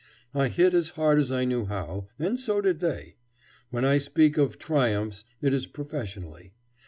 I hit as hard as I knew how, and so did they. When I speak of "triumphs," it is professionally.